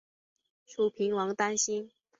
楚平王担心。